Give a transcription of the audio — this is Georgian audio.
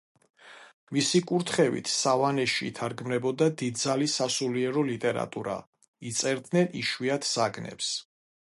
მისი კურთხევით სავანეში ითარგმნებოდა დიდძალი სასულიერო ლიტერატურა, იწერდნენ იშვიათ საგნებს.